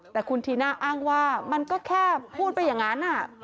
แต่คุณธีน่าอ้างว่ามันก็แค่พูดไปอย่างนั้น